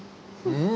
うん。